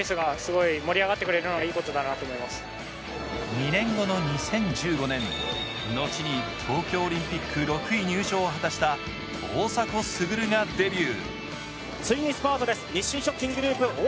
２年後の２０１５年、後に東京オリンピック６位入賞を果たした大迫傑がデビュー。